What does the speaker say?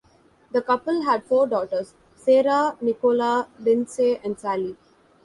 The couple had four daughters: Sarah, Nicola, Lindsay and Sally.